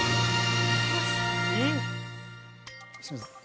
すいません